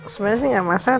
sebenernya sih gak masalah